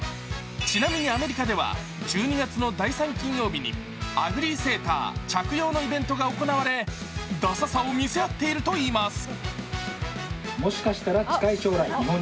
ちなみにアメリカでは、１２月の第３金曜日にアグリーセーター着用のイベントが行われ、ダサさを見せ合っているといいます。